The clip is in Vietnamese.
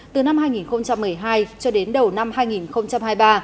từ năm hai nghìn một mươi hai cho đến đầu năm hai nghìn hai mươi ba